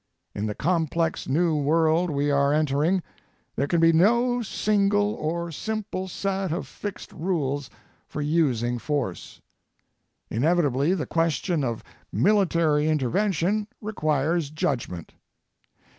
In the complex new world we are entering, there can be no single or simple set of fixed rules for using force. Inevitably, the question of military intervention requires judgment.